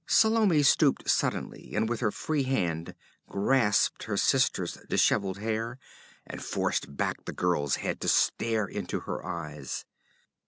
Salome stooped suddenly and with her free hand grasped her sister's dishevelled hair and forced back the girl's head to stare into her eyes.